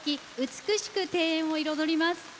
美しく庭園を彩ります。